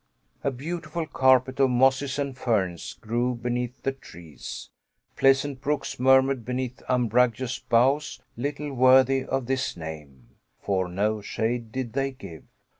A beautiful carpet of mosses and ferns grew beneath the trees. Pleasant brooks murmured beneath umbrageous boughs, little worthy of this name, for no shade did they give.